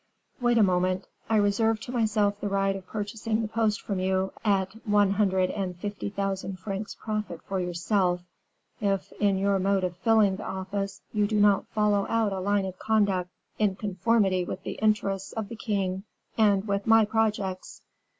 "Wait a moment. I reserve to myself the right of purchasing the post from you at one hundred and fifty thousand francs profit for yourself, if, in your mode of filling the office, you do not follow out a line of conduct in conformity with the interests of the king and with my projects."